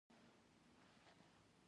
زه د شکر لرونکو خوړو مصرف کموم.